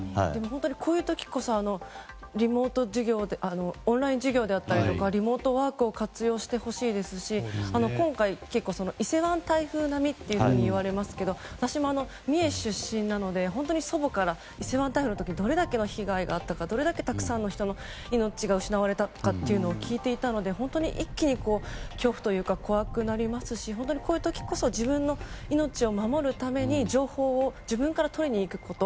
こういう時こそオンライン授業であったりリモートワークを活用してほしいですし今回、伊勢湾台風並みといわれますけど私も、三重出身なので本当に祖母から伊勢湾台風の時どれだけの被害があったのかどれだけたくさんの人の命が失われたか聞いていたので本当に一気に恐怖というか怖くなりますし本当にこういう時こそ自分の命を守るために情報を自分から取りにいくこと。